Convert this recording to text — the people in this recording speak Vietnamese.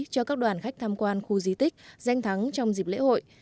cho các đoàn khách tham quan khu di tích danh thắng trong dịp lễ hội